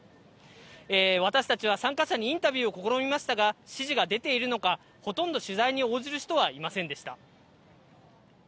私たちは参加者にインタビューを試みましたが、指示が出ているのか、ほとんど取材に応じる人はいませんでした。